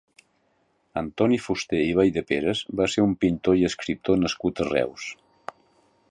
Antoni Fuster i Valldeperes va ser un pintor i escriptor nascut a Reus.